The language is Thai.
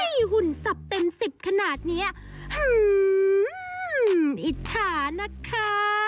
หุ่นสับเต็มสิบขนาดเนี้ยอิจฉานะคะ